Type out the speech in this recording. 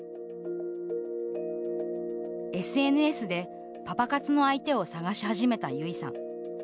ＳＮＳで、パパ活の相手を探し始めた、ゆいさん。